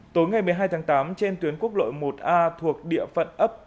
tối ngày một mươi hai tháng tám trên tuyến quốc lộ một a thuộc địa phận ấp